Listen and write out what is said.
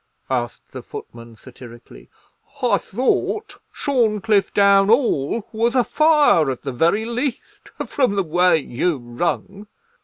asked the footman, satirically. "I thought Shorncliffe town 'all was a fire, at the very least, from the way you rung.